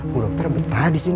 bu dokter betah di sini